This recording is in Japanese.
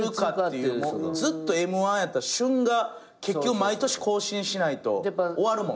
ずっとＭ−１やったら旬が結局毎年更新しないと終わる。